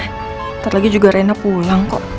ntar lagi juga rena pulang kok